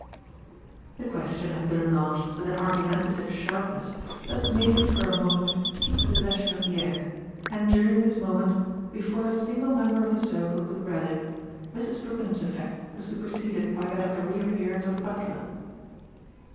The question had been launched with an argumentative sharpness that made it for a moment keep possession of the air, and during this moment, before a single member of the circle could rally, Mrs. Brookenham's effect was superseded by that of the reappearance of the butler.